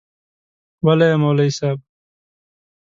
وله یی مولوی صیب